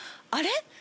あれ？